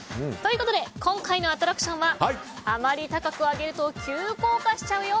今回のアトラクションはあまり高く上げると急降下しちゃうよ！